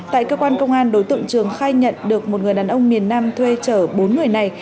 tại cơ quan công an đối tượng trường khai nhận được một người đàn ông miền nam thuê chở bốn người này